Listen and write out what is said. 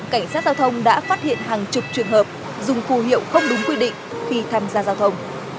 cảnh sát giao thông đã phát hiện hàng chục trường hợp dùng phù hiệu không đúng quy định khi tham gia giao thông